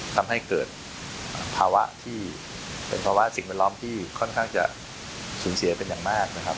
ทำให้เกิดภาวะที่เป็นภาวะสิ่งแวดล้อมที่ค่อนข้างจะสูญเสียเป็นอย่างมากนะครับ